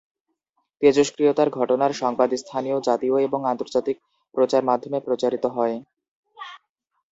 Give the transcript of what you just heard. তেজস্ক্রিয়তার ঘটনার সংবাদ স্থানীয়, জাতীয় এবং আন্তর্জাতিক প্রচার মাধ্যমে প্রচারিত হয়।